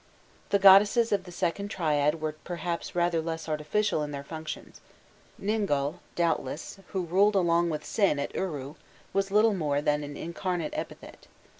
The goddesses of the second triad were perhaps rather less artificial in their functions. Ningal, doubtless, who ruled along with Sin at Uru, was little more than an incarnate epithet.